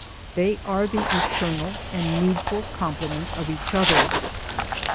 They are the eternal and needful complements of each other.